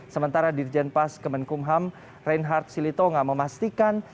sementara dirjen pas kemenkumham reinhard silitonga memastikan